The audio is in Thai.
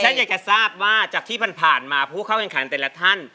ฉันอยากจะทราบว่าจากที่ผ่านมาผู้เข้าแข่งขันแต่ละท่าน